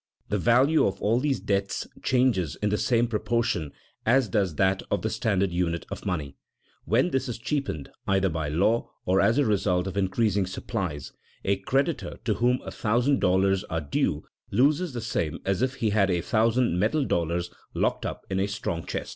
The value of all these debts changes in the same proportion as does that of the standard unit of money; when this is cheapened either by law or as a result of increasing supplies, a creditor to whom a thousand dollars are due loses the same as if he had a thousand metal dollars locked up in a strong chest.